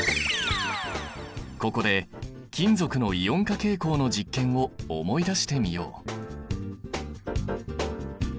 ここで金属のイオン化傾向の実験を思い出してみよう。